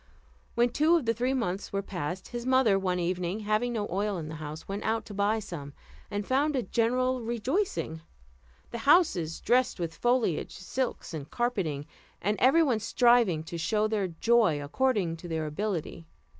When two of the three months were passed, his mother one evening, having no oil in the house, went out to buy some, and found a general rejoicing the houses dressed with foliage, silks, and carpeting, and every one striving to show their joy according to their ability.